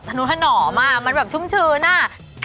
หนูทะหน่อมากมันแบบชุ่มชื้อหน้า